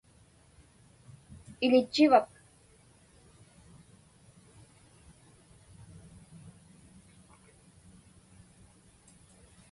Iḷitchivak?